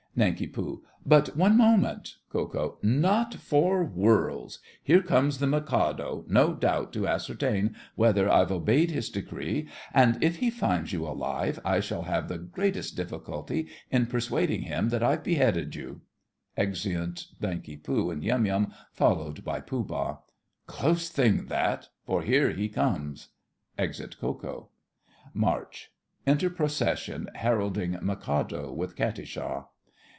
NANK. But one moment—— KO. Not for worlds. Here comes the Mikado, no doubt to ascertain whether I've obeyed his decree, and if he finds you alive I shall have the greatest difficulty in persuading him that I've beheaded you. (Exeunt Nanki Poo and Yum Yum, followed by Pooh Bah.) Close thing that, for here he comes! [Exit Ko Ko. March.—Enter procession, heralding Mikado, with Katisha.